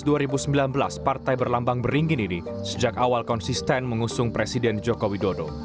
di dua ribu sembilan belas partai berlambang beringin ini sejak awal konsisten mengusung presiden joko widodo